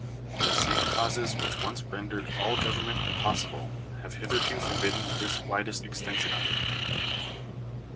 The same causes which once rendered J: all government impossible have hitherto forbidden this widest |i extension of it.